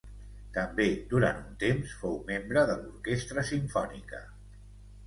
També, durant un temps fou membre de l'Orquestra Simfònica.